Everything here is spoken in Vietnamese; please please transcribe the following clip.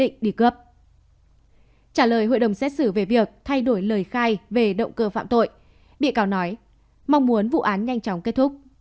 trả lời hội đồng xét xử về việc thay đổi lời khai về động cơ phạm tội bị cáo nói mong muốn vụ án nhanh chóng kết thúc